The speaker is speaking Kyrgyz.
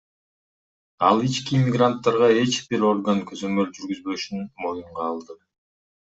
Ал ички мигранттарга эч бир орган көзөмөл жүргүзбөшүн моюнга алды.